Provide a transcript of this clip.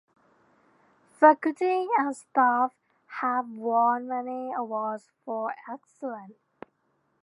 Faculty and staff have won many awards for excellence.